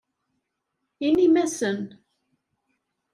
Inim-asen.